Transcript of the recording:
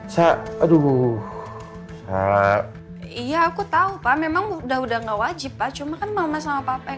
saya aduh iya aku tahu pak memang udah udah nggak wajib pak cuma kan mama sama papa